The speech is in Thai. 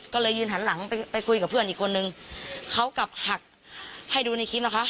เขากลับหักให้ดูในคลิปนะคะ